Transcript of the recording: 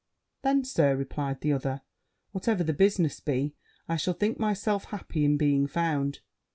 'Then, Sir,' replied the other, 'whatever the business be, I shall think myself happy in being found.'